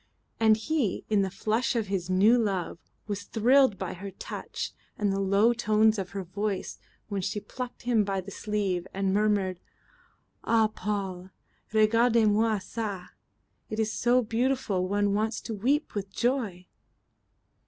And he, in the flush of his new love, was thrilled by her touch and the low tones of her voice when she plucked him by the sleeve and murmured: "Ah, Paul, regardez moi ca. It is so beautiful one wants to weep with joy."